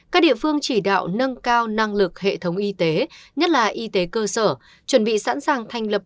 các địa phương chỉ đạo nâng cao năng lực hệ thống y tế nhất là y tế cơ sở chuẩn bị sẵn sàng thành lập